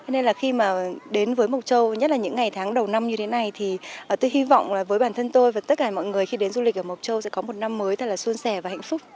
nên là khi mà đến với mộc châu nhất là những ngày tháng đầu năm như thế này thì tôi hy vọng với bản thân tôi và tất cả mọi người khi đến du lịch ở mộc châu sẽ có một năm mới thật là xuân sẻ và hạnh phúc